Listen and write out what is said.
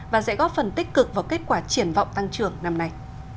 và sẽ góp phần tích cực vào kết quả triển vọng tăng trưởng năm nay